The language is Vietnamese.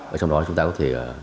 ở trong đó chúng ta có thể